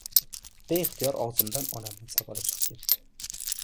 — Beixtiyor og‘zimdan onamning savoli chiqib ketdi.